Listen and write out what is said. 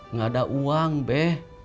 nggak ada uang be